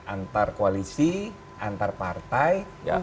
antar koalisi antar partai